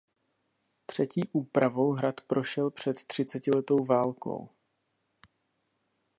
Třetí úpravou hrad prošel před třicetiletou válkou.